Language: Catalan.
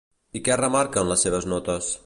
I què remarca en les seves notes?